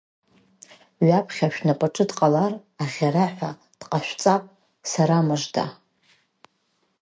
Ҩаԥхьа шәнапаҿы дҟалар, аӷьараҳәа дҟашәҵап, сарамыжда!